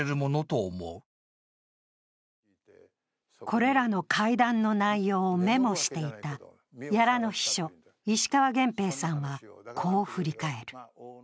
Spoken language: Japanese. これらの会談の内容をメモしていた屋良の秘書石川元平さんは、こう振り返る。